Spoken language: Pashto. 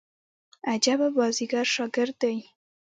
عجبه بازيګر شاګرد دئ.